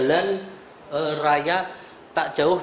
dan ini merupakan keberadaan yang sangat penting untuk korban